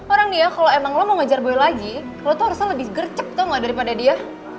orang dia kalo emang lo mau ngajar boy lagi lo tuh harusnya lebih gercep tau gak daripada dia